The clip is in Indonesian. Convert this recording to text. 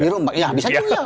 ya bisa juga